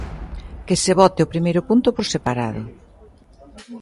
Que se vote o primeiro punto por separado.